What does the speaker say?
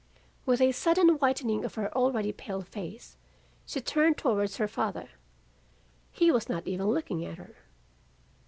"With a sudden whitening of her already pale face, she turned towards her father. He was not even looking at her.